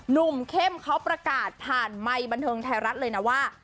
หนุ่มเข้มเขาประกาศผ่านไมค์บันเทิงไทยรัฐเลยนะว่า